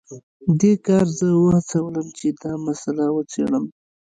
دې کار زه وهڅولم چې دا مسله وڅیړم